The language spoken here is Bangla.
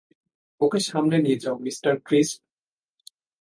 ওকে সামনে দিকে নিয়ে যাও, মিস্টার ক্রিস্প!